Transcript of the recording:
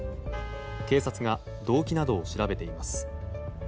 警察が動機などを調べています。